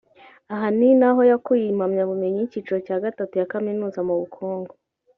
aha ni naho yakuye impamyabumenyi y’icyiciro cya gatatu ya Kaminuza mu bukungu